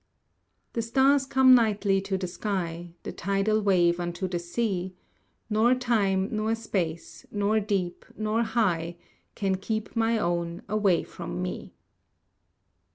The stars come nightly to the sky; The tidal wave unto the sea; Nor time, nor space, nor deep, nor high, Can keep my own away from me.